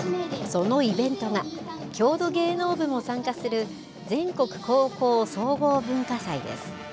そのイベントが郷土芸能部も参加する全国高校総合文化祭です。